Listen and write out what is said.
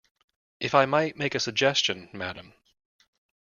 If I might make a suggestion, madam.